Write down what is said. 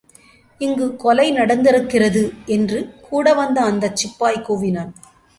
இங்கு கொலை நடந்திருக்கிறது! என்று கூட வந்த அந்தச் சிப்பாய் கூவினான்.